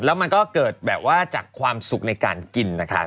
แล้วมันก็เกิดแบบว่าจากความสุขในการกินนะคะ